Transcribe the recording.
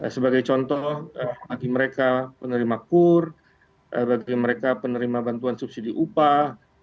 sebagai contoh bagi mereka penerima kur bagi mereka penerima bantuan subsidi upah